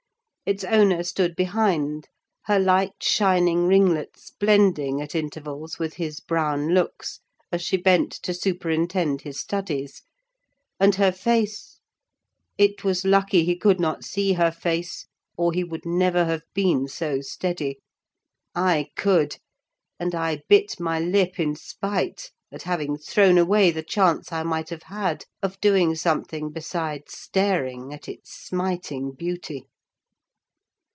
Its owner stood behind; her light, shining ringlets blending, at intervals, with his brown locks, as she bent to superintend his studies; and her face—it was lucky he could not see her face, or he would never have been so steady. I could; and I bit my lip in spite, at having thrown away the chance I might have had of doing something besides staring at its smiting beauty.